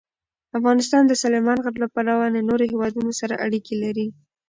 افغانستان د سلیمان غر له پلوه له نورو هېوادونو سره اړیکې لري.